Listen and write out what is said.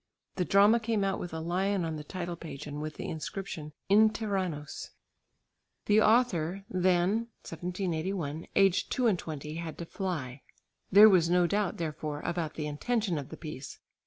The drama came out with a lion on the title page and with the inscription "In Tyrannos." The author then (1781) aged two and twenty had to fly. There was no doubt therefore about the intention of the piece.